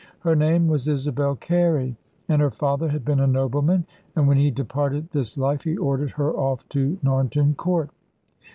Her name was Isabel Carey, and her father had been a nobleman, and when he departed this life he ordered her off to Narnton Court.